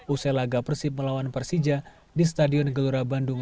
usai laga persib melawan persija di stadion gelora bandung